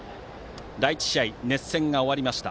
第１試合、熱戦が終わりました。